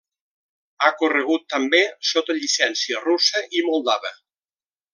Ha corregut també sota llicència russa i moldava.